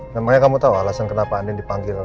makanya kamu tau alasan kenapa andien dipanggil